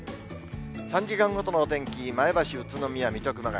３時間ごとのお天気、前橋、宇都宮、水戸、熊谷。